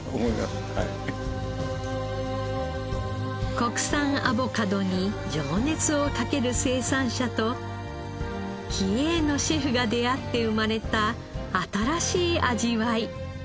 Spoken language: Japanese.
国産アボカドに情熱をかける生産者と気鋭のシェフが出会って生まれた新しい味わい。